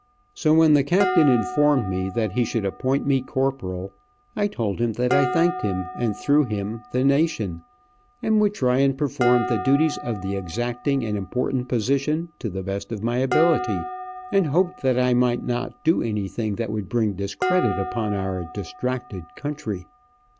So when the captain informed me that he should appoint me Corporal, I told him that I thanked him, and through him, the Nation, and would try and perform the duties of the exacting and important position to the best of my ability, and hoped that I might not do anything that would bring discredit upon our distracted country.